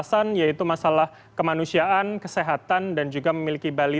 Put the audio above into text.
setelah kasus ini terungkap